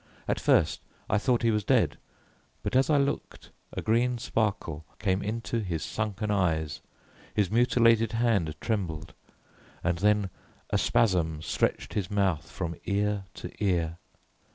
At first I thought he was dead, but as I looked, a green sparkle came into his sunken eyes, his mutilated hand trembled, and then a spasm stretched his mouth from ear to ear.